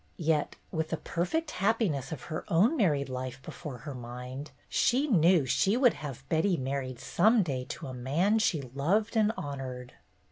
Yet with the perfect happiness of her own married life before her mind, she knew she would have Betty married some day to a man she loved and honored.